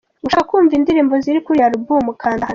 Ushaka kumva indirimbo ziri kuri iyo Album kanda hano.